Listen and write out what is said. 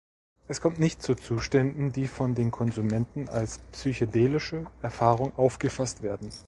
Es kommt nicht zu Zuständen, die von den Konsumenten als psychedelische Erfahrung aufgefasst werden.